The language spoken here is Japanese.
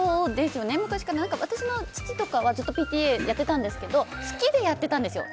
私の父とかは、ずっとＰＴＡやってたんですけど好きでやってたんですよ。